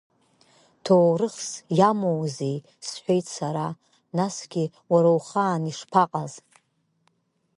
Ҭоурыхс иамоузеи, – сҳәеит сара, насгьы уара ухаан ишԥаҟаз?